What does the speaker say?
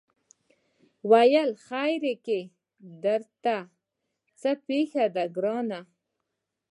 ویل خیر کړې درته څه پېښه ده ګرانه